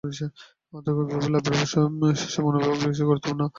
আধ্যাত্মিকতা লাভের পথে শিষ্যের মনোভাবই বিশেষ গুরুত্বপূর্ণ।